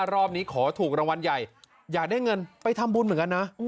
รอบนี้ขอถูกรางวัลใหญ่อยากได้เงินไปทำบุญเหมือนกันนะ